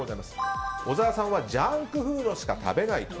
小沢さんはジャンクフードしか食べないと。